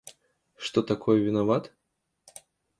Что такое виноват?